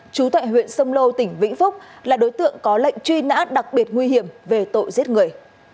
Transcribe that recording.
chú tại huyện sông lô tỉnh vĩnh phúc là đối tượng có lệnh truy nã đặc biệt nguy hiểm về tội giết người